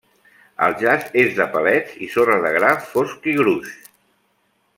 El jaç és de palets i sorra de gra fosc i gruix.